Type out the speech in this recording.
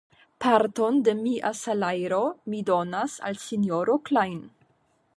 Parton de mia salajro mi donas al sinjoro Klajn.